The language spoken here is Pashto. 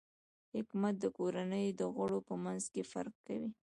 حکمت د کورنۍ د غړو په منځ کې فرق کوي.